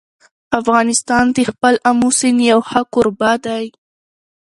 افغانستان د خپل آمو سیند یو ښه کوربه دی.